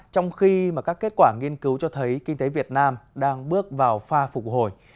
trong khi các kết quả nghiên cứu cho thấy kinh tế việt nam đang bước vào pha phục hồi